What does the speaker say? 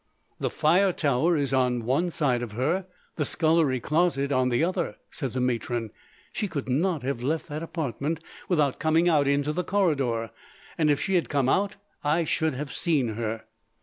"The fire tower is on one side of her; the scullery closet on the other," said the matron. "She could not have left that apartment without coming out into the corridor. And if she had come out I should have seen her."